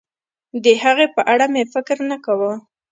د هغې په اړه مې فکر نه کاوه.